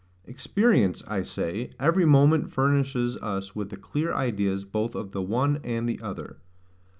Experience, I say, every moment furnishes us with the clear ideas both of the one and the other.